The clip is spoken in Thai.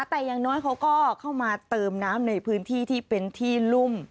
แต่อย่างน้อยเขาก็เข้ามาเติมน้ำในพื้นที่ที่เป็นที่รุ่ม